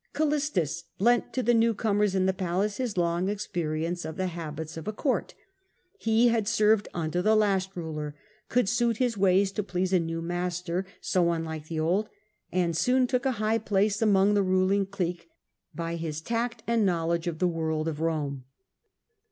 Callistus lent to the new comers in the palace his long experience of the habits of a court He had served under the last ruler, could suit his ways to please a new master so unlike the old, and soon took a high place among the ruling clique by his tact and knowledge of the world of Rome.